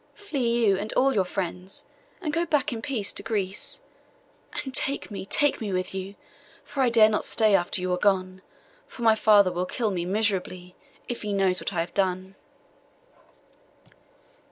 Flee, you and all your friends, and go back in peace to Greece; and take me, take me with you! for I dare not stay after you are gone; for my father will kill me miserably, if he knows what I have done.